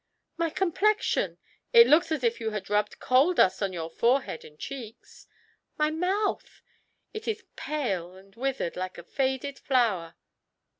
"My complexion " "It looks as if you had rubbed coal dust on your forehead and cheeks." "My mouth " "It is pale and withered, like a faded flower."